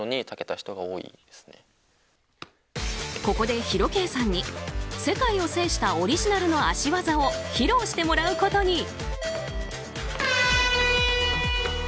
ここでＨＩＲＯ‐Ｋさんに世界を制したオリジナルの足技を披露してもらうことに。